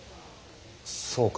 そうか。